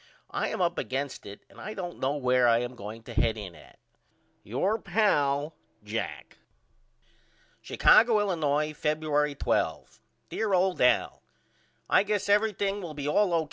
I am up against it and I don't know where I am going to head in at. Your pal, JACK. Chicago, Illinois, Febuer'y 12. DEAR OLD AL: I guess everthing will be all O.K.